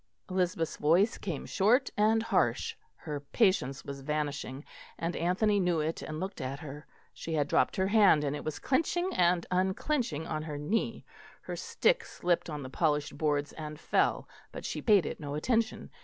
Elizabeth's voice came short and harsh; her patience was vanishing, and Anthony knew it and looked at her. She had dropped her hand, and it was clenching and unclenching on her knee. Her stick slipped on the polished boards and fell; but she paid it no attention.